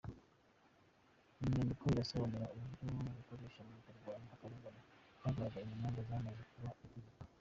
Iyi nyandiko irasobanura uburyo bukoreshwa mu kurwanya akarengane kagaragaye mu manza zamaze kuba itegeko.